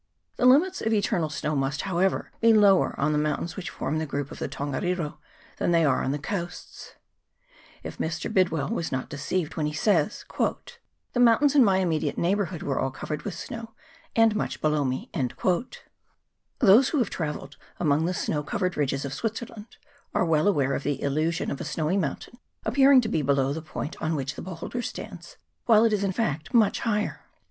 The limits of eternal snow must, however, be lower on the moun tains which form the group of the Tongariro than 2A9 356 LAKE ROTU AIRE. [PART II. they are on the coasts, if Mr. Bidwill was not de ceived when he says " the mountains in my imme~ diate neighbourhood were all covered with snow, and much below me /" Those who have travelled among the snow covered ridges of Switzerland are well aware of the illusion of a snowy mountain appearing to be below the point on which the beholder stands, while it is, in fact, much higher.